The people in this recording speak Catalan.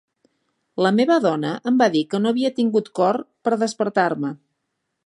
La meva dona em va dir que no havia tingut cor per despertar-me